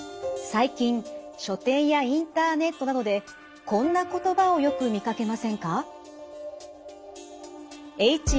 最近書店やインターネットなどでこんな言葉をよく見かけませんか？